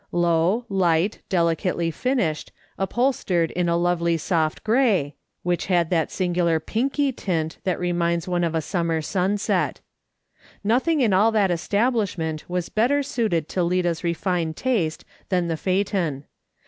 Low, light, delicately finished, upholstered in a lovely soft grey, which had that singular pinky tint that reminds one of a sum mer sunset. Nothing in all that establishment was better suited to Lida's refined taste than the phaeton.